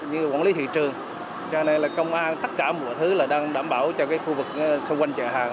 như quản lý thị trường cho nên là công an tất cả mọi thứ là đang đảm bảo cho khu vực xung quanh chợ hàng